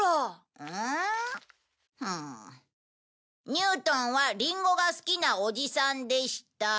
「ニュートンはリンゴがすきなおじさんでした」